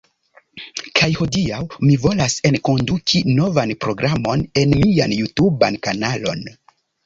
Kaj hodiaŭ mi volas enkonduki novan programon en mian jutuban kanalon